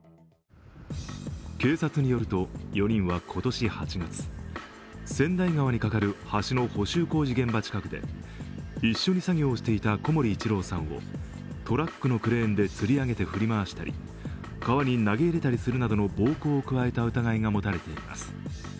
警察によると、４人は今年８月、川内川にかかる橋の補修工事現場近くで一緒に作業をしていた小森一郎さんをトラックのクレーンでつり上げて振り回したり川に投げ入れたりするなどの暴行を加えられた疑いが持たれています。